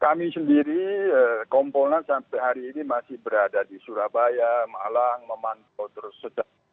kami sendiri kompolnas sampai hari ini masih berada di surabaya malah memantau terus sedang